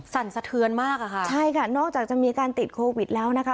สั่นสะเทือนมากอะค่ะใช่ค่ะนอกจากจะมีการติดโควิดแล้วนะคะ